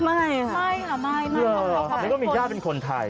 ไม่ค่ะนั่นของเขาค่ะค่ะค่ะนี่ก็มีย่าเป็นคนไทย